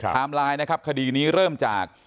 ไลน์นะครับคดีนี้เริ่มจาก